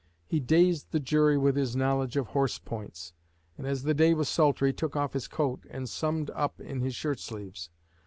He dazed the jury with his knowledge of "horse points"; and as the day was sultry, took off his coat and "summed" up in his shirt sleeves.